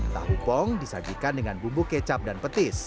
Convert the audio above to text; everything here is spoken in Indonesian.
tahu pong disajikan dengan bumbu kecap